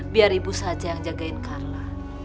biar ibu saja yang jagain kala